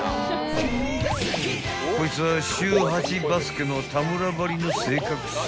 ［こいつは週８バスケの田村ばりの正確さ］